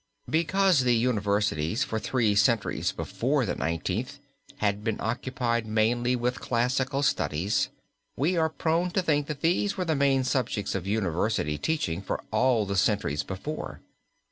Because the universities for three centuries before the Nineteenth had been occupied mainly with classical studies, we are prone to think that these were the main subjects of university teaching for all the centuries before.